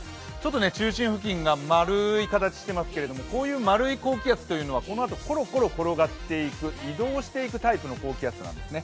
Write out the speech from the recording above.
中心付近が丸い形をしていますけれどもこういう丸い高気圧というのはこのあとコロコロ転がっていく移動していくタイプの高気圧なんですね。